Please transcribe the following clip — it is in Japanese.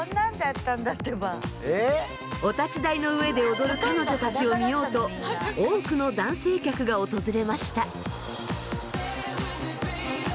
お立ち台の上で踊る彼女たちを見ようと多くの男性客が訪れました。